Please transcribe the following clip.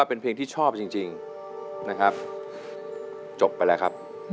เป็นไงคะ